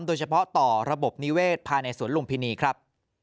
โดยเฉพาะต่อระบบนิเวศภายในสวนลุมพินีครับ